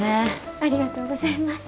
ありがとうございます。